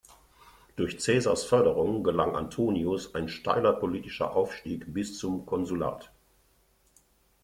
Durch Caesars Förderung gelang Antonius ein steiler politischer Aufstieg bis zum Konsulat.